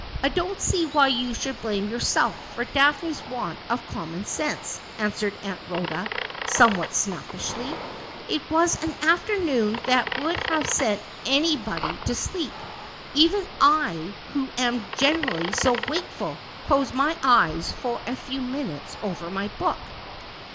' I don't see why you should blame yourself for Daphne's want of common sense,' answered Aunt Ehoda somewhat snappishly. ' It was an afternoon that would have sent any body to sleep. Even I, who am generally so wakeful, closed my eyes for a few minutes over my book.'